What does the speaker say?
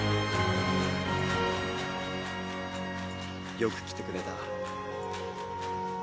よく来てくれた。